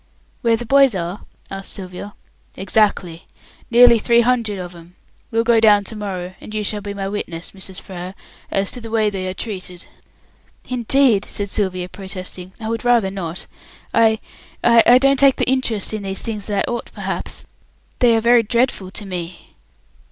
"Where the boys are?" asked Sylvia. "Exactly. Nearly three hundred of 'em. We'll go down to morrow, and you shall be my witness, Mrs. Frere, as to the way they are treated." "Indeed," said Sylvia, protesting, "I would rather not. I I don't take the interest in these things that I ought, perhaps. They are very dreadful to me."